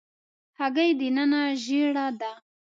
هګۍ دننه ژېړه ده.